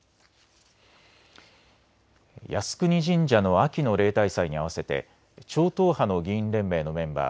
靖国神社の秋の例大祭に合わせて超党派の議員連盟のメンバー